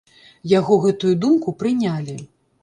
Яго гэтую думку прынялі.